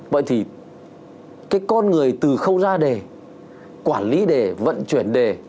vậy thì cái con người từ khâu ra đề quản lý đề vận chuyển đề